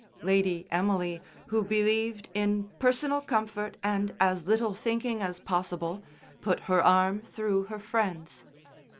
Lady Emily, who believed in personal comfort and as little thinking as possible, put her arm through her friend's.